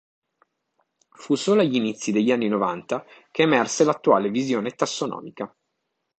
Fu solo agli inizi degli anni novanta che emerse l'attuale visione tassonomica.